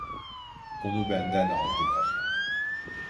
Onu benden aldılar.